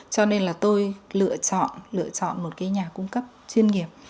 cho nên là tôi lựa chọn lựa chọn một cái nhà cung cấp chuyên nghiệp